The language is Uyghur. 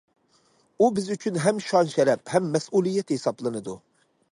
ئۇ بىز ئۈچۈن ھەم شان- شەرەپ، ھەم مەسئۇلىيەت ھېسابلىنىدۇ.